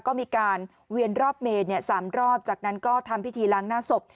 ก็มีการเวียนรอบเมน๓รอบจากนั้นก็ทำพิธีล้างหน้าศพ